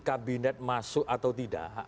kabinet masuk atau tidak